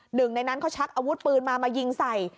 หนึ่งในนั้นเขาชักอาวุธปืนมามายิงใส่